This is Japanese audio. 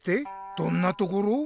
「どんな」ところ？